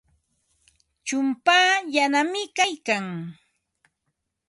Chumpaa yanami kaykan.